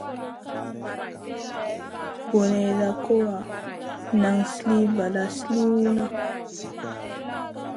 Boneyda co wa, nan sli balla sliwna.